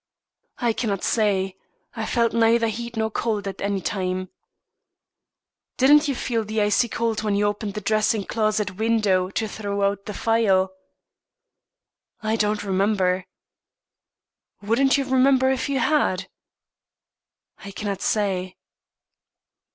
"I cannot say; I felt neither heat nor cold at any time." "Didn't you feel the icy cold when you opened the dressing closet window to throw out the phial?" "I don't remember." "Wouldn't you remember if you had?" "I cannot say."